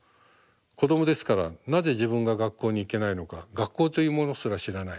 子どもですからなぜ自分が学校に行けないのか学校というものすら知らない。